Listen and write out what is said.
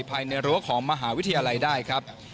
ภายในรั้วของมหาวิทยาลัยได้ครับ